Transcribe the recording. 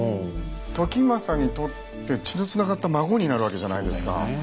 時政にとって血のつながった孫になるわけじゃないですか。